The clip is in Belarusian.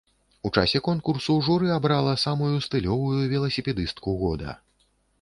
У часе конкурсу журы абрала самую стылёвую веласіпедыстку горада.